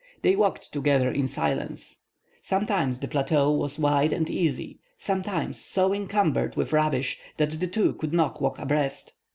They walked together in silence. Sometimes the plateau was wide and easy, sometimes so encumbered with rubbish that the two could not walk abreast.